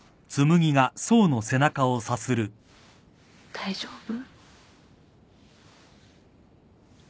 大丈夫？